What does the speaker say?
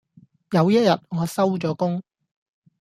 有一日我收咗工